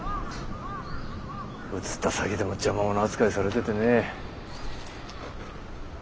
移った先でも邪魔者扱いされててねえ。